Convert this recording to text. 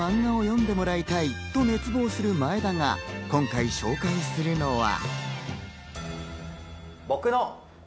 高岸にいつかマンガを読んでもらいたいと熱望する前田が、今回紹介するのは。